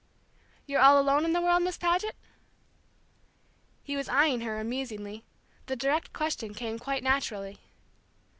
"You're all alone in the world, Miss Page?" He was eyeing her amusingly; the direct question came quite naturally.